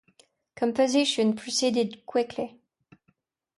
Composition proceeded quickly.